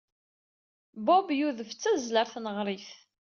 Bob yudef d tazzla ɣer tneɣrit.